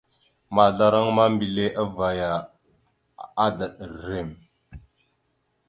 Maazlaraŋa ma, mbelle avvaya, adaɗ rrem.